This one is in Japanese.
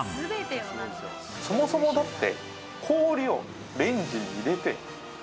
そもそもだって。